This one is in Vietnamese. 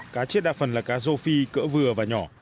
cá chết đa phần là cá rô phi cỡ vừa và nhỏ